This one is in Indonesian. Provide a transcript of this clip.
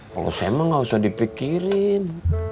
kalau saya mah nggak usah dipikirin